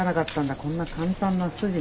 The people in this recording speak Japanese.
こんな簡単な筋に。